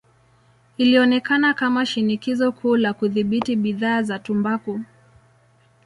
Ilionekana kama shinikizo kuu la kudhibiti bidhaa za tumbaku.